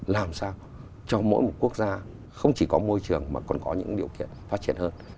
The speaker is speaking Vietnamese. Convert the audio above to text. làm sao cho mỗi một quốc gia không chỉ có môi trường mà còn có những điều kiện phát triển hơn